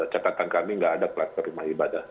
catatan kami nggak ada kluster rumah ibadah